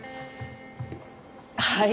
はい？